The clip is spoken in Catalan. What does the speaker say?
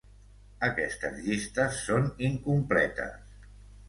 Aquestes llistes són incompletes.